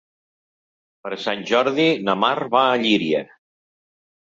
Per Sant Jordi na Mar va a Llíria.